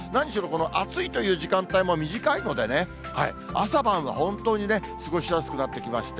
この暑いという時間帯が短いのでね、朝晩は本当にね、過ごしやすくなってきました。